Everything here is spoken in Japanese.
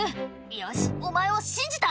「よしお前を信じた」